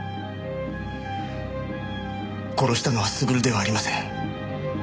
殺したのは優ではありません。